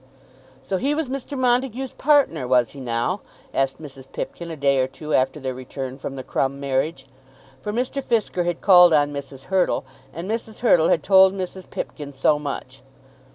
"So he was Mr. Montague's partner, was he now?" asked Mrs. Pipkin a day or two after their return from the Crumb marriage. For Mr. Fisker had called on Mrs. Hurtle, and Mrs. Hurtle had told Mrs. Pipkin so much.